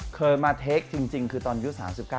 เคยมาเทคจริงคือตอนอายุ๓๙